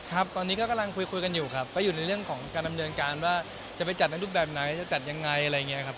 ครับตอนนี้ก็กำลังคุยกันอยู่ครับก็อยู่ในเรื่องของการดำเนินการว่าจะไปจัดในรูปแบบไหนจะจัดยังไงอะไรอย่างนี้ครับ